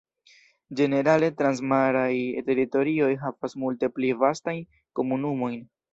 Ĝenerale, transmaraj teritorioj havas multe pli vastajn komunumojn.